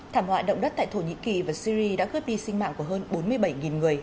thảm họa động đất tại thổ nhĩ kỳ và syri đã cướp đi sinh mạng của hơn bốn mươi bảy người